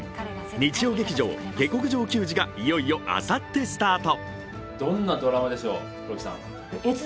日曜劇場「下剋上球児」がいよいよあさってスタート。